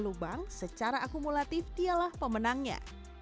lubang secara akumulatif dialah pemenangnya